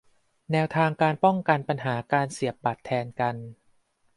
แนวทางการป้องกันปัญหาการเสียบบัตรแทนกัน